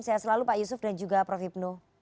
sehat selalu pak yusuf dan juga prof hipno